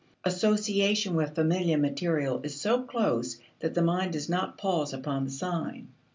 Association with familiar material is so close that the mind does not pause upon the sign.